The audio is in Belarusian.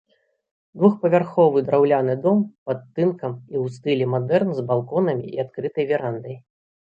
Двухпавярховы драўляны дом пад тынкам у стылі мадэрн з балконамі і адкрытай верандай.